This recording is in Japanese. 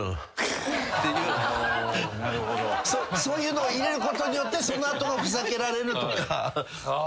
そういうのを入れることによってその後がふざけられるとか。